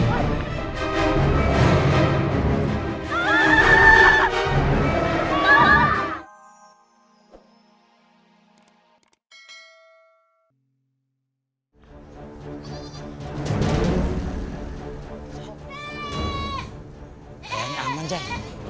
ayahnya aman cak